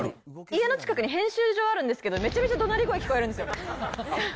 家の近くに編集場あるんですけど、めちゃめちゃどなり声聞こえるんですよ。